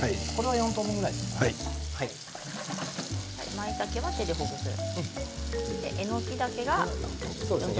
まいたけは手でほぐすんですね。